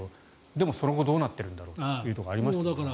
でも、その後どうなっているんだろうっていうのがありましたよね。